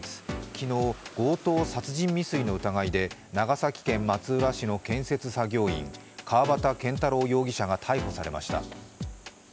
昨日、強盗殺人未遂の疑いで長崎県松浦市の建設作業員、川端健太郎容疑者が逮捕されました。